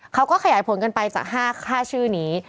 เขาก็ขยายผลกันไปจาก๕ชื่อนี้